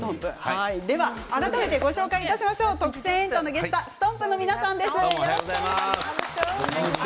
改めてご紹介しましょう「特選！エンタ」のゲストさんの皆さんです。